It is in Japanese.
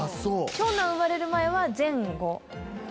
長男生まれる前は前後。